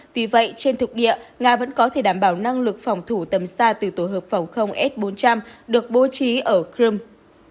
tuy vậy trên thực địa nga vẫn có thể đảm bảo năng lực phòng thủ tầm xa từ tổ hợp phòng không s bốn trăm linh được bố trí ở crimea